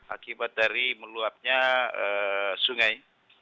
akibat dari meluapnya sungai